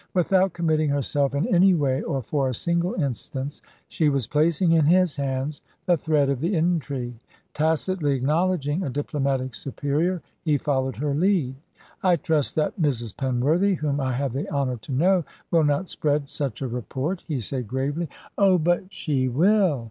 Without committing herself in any way or for a single instance, she was placing in his hands the thread of the intrigue. Tacitly acknowledging a diplomatic superior, he followed her lead. "I trust that Mrs. Penworthy, whom I have the honour to know, will not spread such a report," he said gravely. "Oh, but she will.